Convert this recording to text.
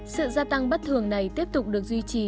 sự gia tăng bất thường này tiếp tục được duy trì